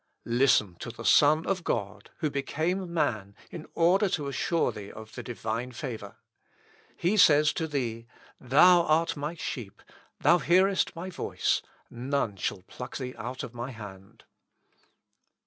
Listen to the Son of God, who became man in order to assure thee of the Divine favour. He says to thee, 'Thou art my sheep; thou hearest my voice; none shall pluck thee out of my hand.'"